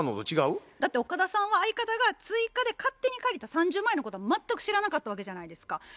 だって岡田さんは相方が追加で勝手に借りた３０万円のことを全く知らなかったわけじゃないですか。